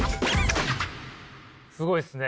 すごいっすね。